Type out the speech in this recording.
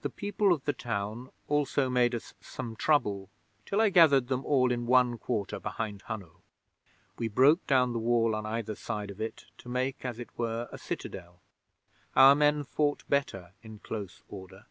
The people of the town also made us some trouble till I gathered them all in one quarter behind Hunno. We broke down the Wall on either side of it to make as it were a citadel. Our men fought better in close order.